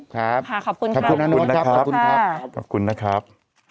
ขอขอบคุณครับ